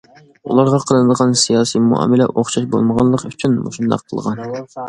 ئۇلارغا قىلىنىدىغان سىياسىي مۇئامىلە ئوخشاش بولمىغانلىقى ئۈچۈن مۇشۇنداق قىلغان.